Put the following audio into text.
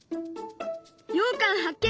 ようかん発見！